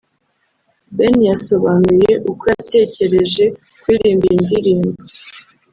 Ben yasobanuye uko yatekereje kuririmba iyi ndirimbo